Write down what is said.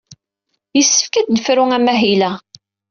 Yessefk ad d-nefru amahil-a.